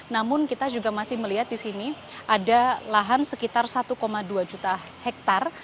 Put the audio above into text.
namun kita juga masih melihat di sini ada lahan sekitar satu dua juta hektare